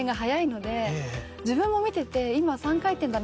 自分も見てて今。